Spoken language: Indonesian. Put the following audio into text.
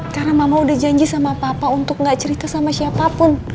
karena mama udah janji sama papa untuk gak cerita sama siapapun